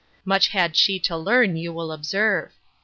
Much had she to learn, you will observe